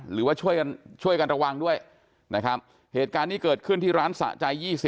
หรือว่าช่วยกันช่วยกันระวังด้วยนะครับเหตุการณ์นี้เกิดขึ้นที่ร้านสะใจ๒๐